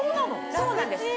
そうなんです。